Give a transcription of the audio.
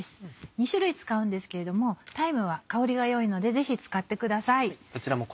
２種類使うんですけれどもタイムは香りが良いのでぜひ使ってください。